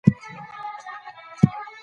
نصوار د خولې سرطان لامل ګرځي.